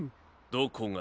どこが。